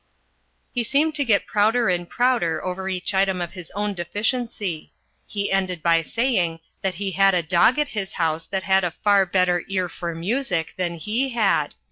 He seemed to get prouder and prouder over each item of his own deficiency. He ended by saying that he had a dog at his house that had a far better ear for music than he had.